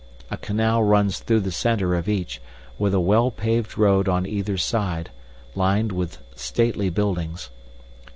A canal runs through the center of each, with a well paved road on either side, lined with stately buildings.